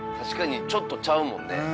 確かにちょっとちゃうもんね。